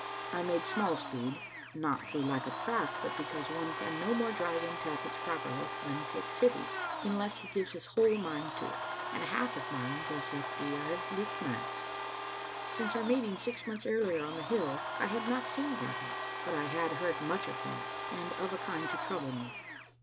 I made small speed, not through lack of craft, but because one can no more drive in tackets properly than take cities unless he gives his whole mind to it; and half of mine was at the Auld Licht manse. Since our meeting six months earlier on the hill I had not seen Gavin, but I had heard much of him, and of a kind to trouble me.